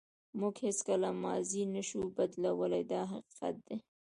موږ هیڅکله ماضي نشو بدلولی دا حقیقت دی.